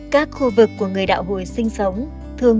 các khu vực của người đạo hồi sinh sống